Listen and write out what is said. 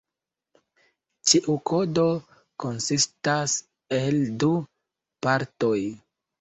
Ĉiu kodo konsistas el du partoj.